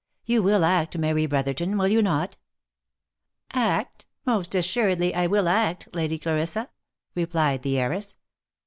You will act, Mary Brotherton, will you not?" " Act? — Most assuredly I will act, Lady Clarissa," replied the heiress.